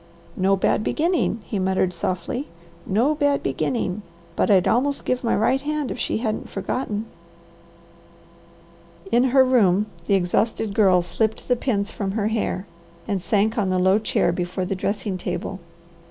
"No bad beginning," he muttered softly, "no bad beginning, but I'd almost give my right hand if she hadn't forgotten " In her room the exhausted Girl slipped the pins from her hair and sank on the low chair before the dressing table.